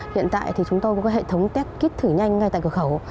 hiện tại thì chúng tôi có hệ thống test kích thử nhanh ngay tại cửa khẩu